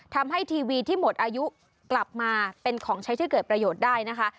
ทำให้ทีวีที่หมดอายุกลับมาเป็นของใช้ที่เกิดประโยชน์ได้นะคะ